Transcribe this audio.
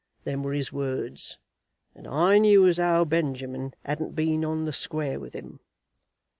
Them were his words, and I knew as how Benjamin hadn't been on the square with him."